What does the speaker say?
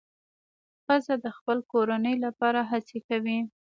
ښځه د خپل کورنۍ لپاره هڅې کوي.